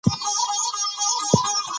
افغانستان د کلتور له مخې پېژندل کېږي.